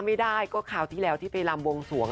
ไม่ได้ก็คราวที่แล้วที่ไปลำวงสวง